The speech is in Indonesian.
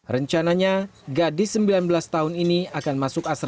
rencananya gadis sembilan belas tahun ini akan masuk ke jawa timur